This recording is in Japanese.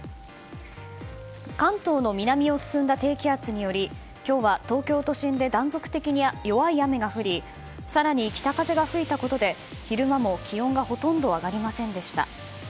関東の南を進んだ低気圧により今日は東京都心で断続的に弱い雨が降り更に北風が吹いたことで昼間も、気温がほとんど上がりませんでした。